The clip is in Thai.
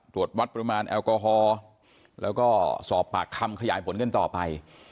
ตรวจวัดปริมาณแอลกอฮอล์แล้วก็สอบปากคำขยายผลกันต่อไป